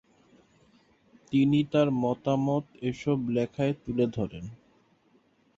তিনি তার মতামত এসব লেখায় তুলে ধরেন।